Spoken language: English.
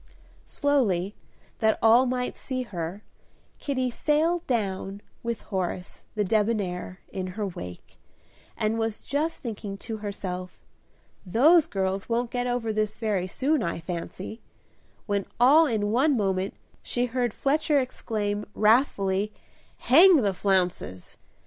Slowly, that all might see her, Kitty sailed down, with Horace, the debonair, in her wake, and was just thinking to herself, "Those girls won't get over this very soon, I fancy," when all in one moment she heard Fletcher exclaim, wrathfully, "Hang the flounces!"